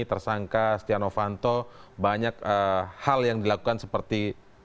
tersangka setia novanto banyak hal yang dilakukan seperti